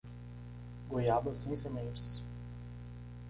Goiaba sem sementes